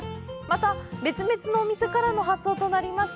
また別々のお店からの発送となります。